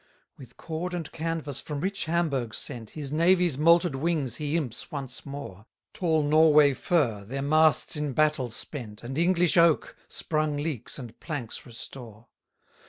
143 With cord and canvas from rich Hamburgh sent, His navy's molted wings he imps once more: Tall Norway fir, their masts in battle spent, And English oak, sprung leaks and planks restore.